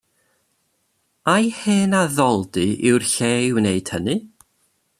Ai hen addoldy yw'r lle i wneud hynny?